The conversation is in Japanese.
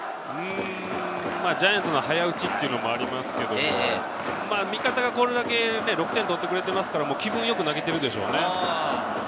ジャイアンツの早打ちもありますけど、味方が６点取ってくれてますから、気分よく投げているんでしょうね。